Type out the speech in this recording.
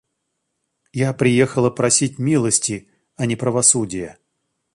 Я приехала просить милости, а не правосудия.